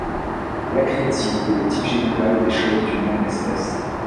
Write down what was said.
L'akriti est le type général des choses d'une même espèce.